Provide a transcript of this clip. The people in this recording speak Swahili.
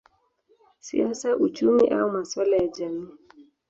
siasa, uchumi au masuala ya jamii.